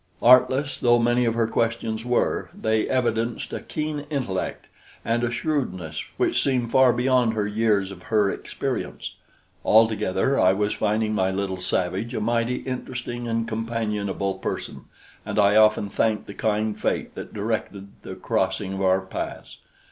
Artless though many of her questions were, they evidenced a keen intellect and a shrewdness which seemed far beyond her years or her experience. Altogether I was finding my little savage a mighty interesting and companionable person, and I often thanked the kind fate that directed the crossing of our paths.